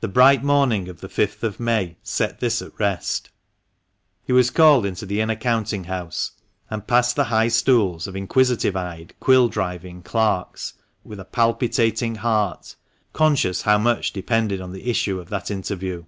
The bright morning of the fifth of May set this at rest. He was called into the inner counting house, and passed the high stools of inquisitive eyed, quill driving clerks, with a palpitating heart, conscious how much depended on the issue of that interview.